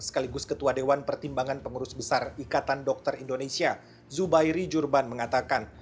sekaligus ketua dewan pertimbangan pengurus besar ikatan dokter indonesia zubairi jurban mengatakan